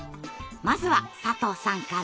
まずは佐藤さんから。